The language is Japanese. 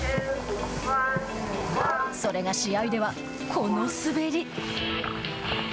それが試合では、この滑り。